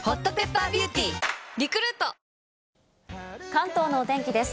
関東のお天気です。